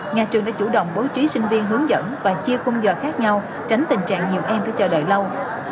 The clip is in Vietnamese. nhà trường đã chủ động bố trí sinh viên hướng dẫn và chia khung giờ khác nhau tránh tình trạng nhiều em phải chờ đợi lâu